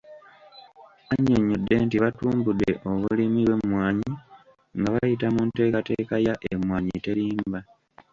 Annyonnyodde nti batumbudde obulimi bw’emmwanyi nga bayita mu nteekateeka ya 'Emmwanyi Terimba'